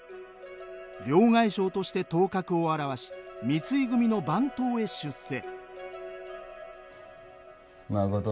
両替商として頭角を現し三井組の番頭へ出世。